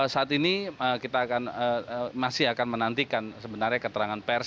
saat ini kita akan masih akan menantikan sebenarnya keterangan pers